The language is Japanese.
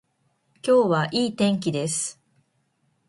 今日はいい天気です。